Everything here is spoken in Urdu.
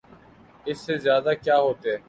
اس سے زیادہ کیا ہوتے؟